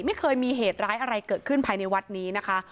ไม่เคยมีเหตุร้ายอะไรเกิดขึ้นภายในวัดนี้นะคะ